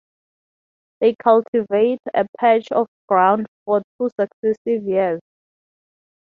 They cultivate a patch of ground for two successive years.